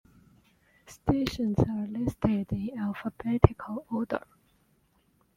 Stations are listed in alphabetical order.